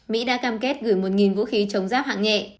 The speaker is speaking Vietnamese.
mỹ đã cam kết gửi một vũ khí chống ráp hạng nhẹ